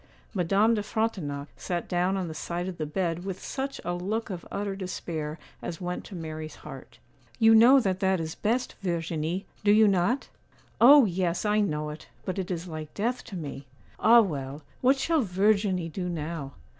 Madame de Frontignac sat down on the side of the bed with such a look of utter despair as went to Mary's heart. 'You know that that is best, Verginie, do you not?' 'Oh! yes, I know it; but it is like death to me! Ah, well, what shall Verginie do now?